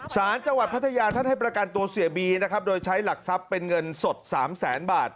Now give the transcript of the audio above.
สารจังหวัดพัทยาท่านให้ประกันตัวเสียบีนะครับโดยใช้หลักทรัพย์เป็นเงินสด๓แสนบาท